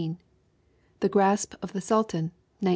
The Grasp of the Sultan, 1916.